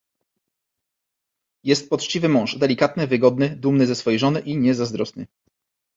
"Jest poczciwy mąż, delikatny, wygodny, dumny ze swej żony i niezazdrosny."